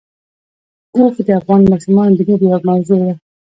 اوښ د افغان ماشومانو د لوبو یوه موضوع ده.